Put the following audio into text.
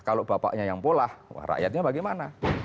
kalau bapaknya yang polah wah rakyatnya bagaimana